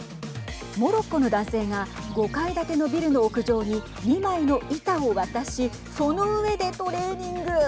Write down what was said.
モロッコの男性が５階建てのビルの屋上に２枚の板を渡しその上でトレーニング。